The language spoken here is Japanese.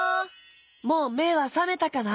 もうめはさめたかな？